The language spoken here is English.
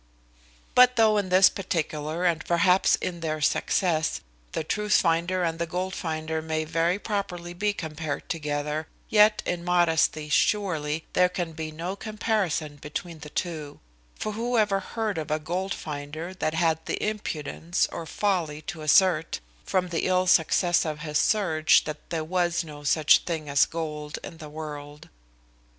But though in this particular, and perhaps in their success, the truth finder and the gold finder may very properly be compared together; yet in modesty, surely, there can be no comparison between the two; for who ever heard of a gold finder that had the impudence or folly to assert, from the ill success of his search, that there was no such thing as gold in the world?